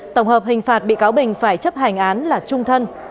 tổng hợp hình phạt bị cáo bình phải chấp hành án là trung thân